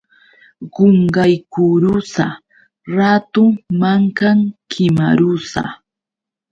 Qunqaykurusa ratu mankan kimarusa.